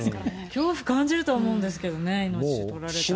恐怖感じると思うんですけどね、命取られたら。